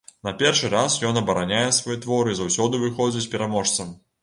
Не першы раз ён абараняе свой твор і заўсёды выходзіць пераможцам.